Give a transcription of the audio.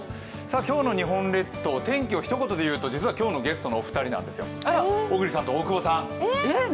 今日の日本列島、天気をひと言で言うと実は今日のゲストのお二人なんですよ、小栗さんと大久保さん。